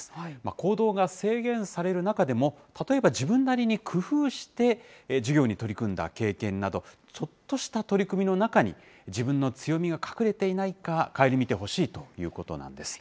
行動が制限される中でも、例えば自分なりに工夫して授業に取り組んだ経験など、ちょっとした取り組みの中に、自分の強みが隠れていないか、顧みてほしいということなんです。